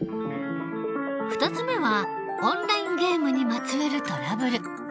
２つ目はオンラインゲームにまつわるトラブル。